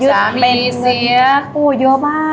โอ๊ยเรื่องมีเยอะบ้า